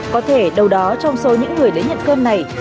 có thể đâu đó trong số những người đến nhận cơm này